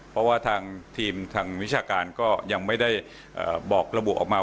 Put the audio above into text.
เพราะว่าทางทีมทางวิชาการก็ยังไม่ได้บอกระบุออกมา